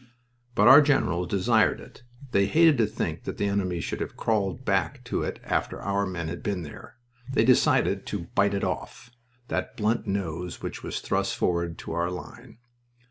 But our generals desired it. They hated to think that the enemy should have crawled back to it after our men had been there. They decided to "bite it off," that blunt nose which was thrust forward to our line.